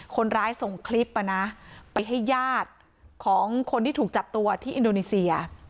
คนร้ายส่งคลิปไปให้ญาติของคนที่ถูกจับตัวที่อินโดนีเซีย